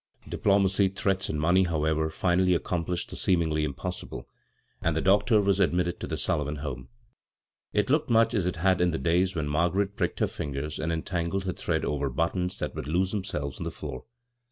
Diplomacy, threats, and money, however, finally accomplished the seemingly impossible, and the doctor was ad mitted to the Sullivan home. It looked much as it bad in the days when Margaret pricked her fingers and entangled her thread over buttons that would lose them selves on the floor.